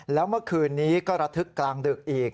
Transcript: แล้วเมื่อคืนนี้ก็ระทึกกลางดึกอีก